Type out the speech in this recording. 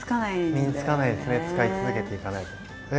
身につかないですね使い続けていかないと。